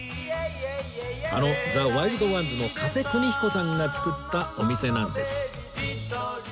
あのザ・ワイルドワンズの加瀬邦彦さんが作ったお店なんです